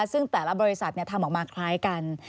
ซึ่งแต่ละบริษัททำออกมาคล้ายกัน